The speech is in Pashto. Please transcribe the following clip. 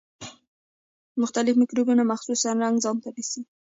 مختلف مکروبونه مخصوص رنګ ځانته نیسي.